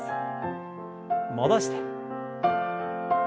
戻して。